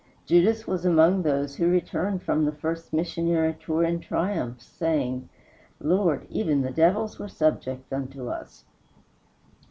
Judas was among those who returned from the first missionary tour in triumph, saying, "Lord, even the devils were subject unto us!"